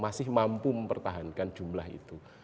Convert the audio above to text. masih mampu mempertahankan jumlah itu